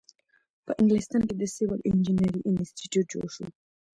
په انګلستان کې د سیول انجینری انسټیټیوټ جوړ شو.